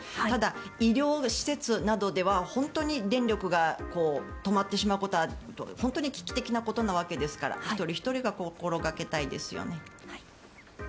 ただ、医療施設などでは本当に電力が止まってしまうことは本当に危機的なことなわけですから一人ひとりが心掛けたいですよね。